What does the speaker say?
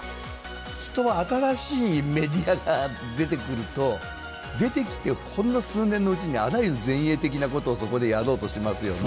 人は新しいメディアが出てくると出てきてほんの数年のうちにあらゆる前衛的なことをそこでやろうとしますよね。